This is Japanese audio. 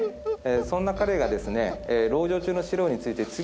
そんな彼がですね。